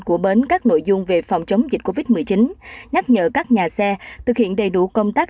của bến các nội dung về phòng chống dịch covid một mươi chín nhắc nhở các nhà xe thực hiện đầy đủ công tác